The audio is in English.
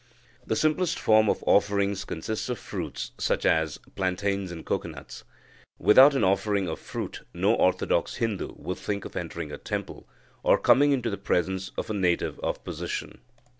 The simplest form of offerings consists of fruits, such as plantains and cocoanuts. Without an offering of fruit no orthodox Hindu would think of entering a temple, or coming into the presence of a Native of position.